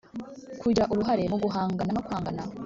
Kugira uruhare mu guhangana no kwangana